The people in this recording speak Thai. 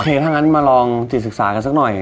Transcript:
ถ้างั้นมาลองจิตศึกษากันสักหน่อย